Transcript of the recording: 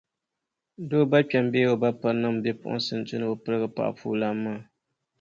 Doo bakpɛma bee o bapirinima bipugiŋsi n-tu ni bɛ pirigi paɣapuulan maa